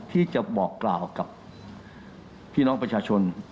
ที่จะบอกกล่าวกับพี่น้องประชาชน